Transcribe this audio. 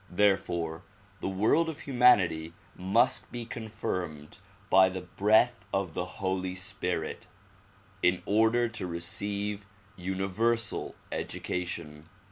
Therefore the world of humanity must be confirmed by the breath of the Holy Spirit in order to receive universal educa tion.